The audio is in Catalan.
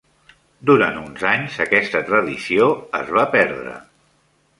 Durant uns anys, aquesta tradició es va perdre.